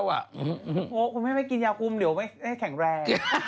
โอ้โฮคุณไม่ให้กินยาคุมเดี๋ยวไม่ได้แข่งแรง